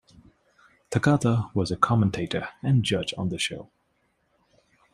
Takata was a commentator and judge on the show.